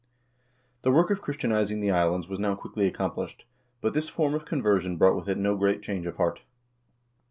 The work of Christianizing the islands was now quickly accom plished, but this form of conversion brought with it no great change of heart.